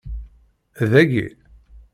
Dayi?